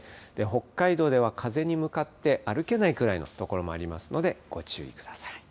北海道では風に向かって歩けないくらいの所もありますので、ご注意ください。